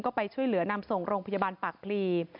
ก็ไปช่วยเหลือนำส่งโรงพยาบาลปากพลี